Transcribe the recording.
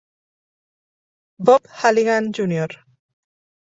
Bob Halligan Jr.